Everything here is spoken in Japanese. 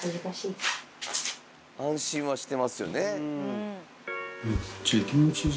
安心はしてますよね。